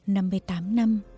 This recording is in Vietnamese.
năm một mươi tám năm